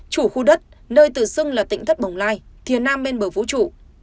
chủ khu đất nơi tự dưng là tỉnh thất bồng lai thiên nam bên bờ vũ trụ